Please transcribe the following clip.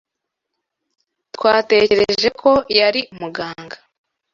Twatekereje ko yari umuganga.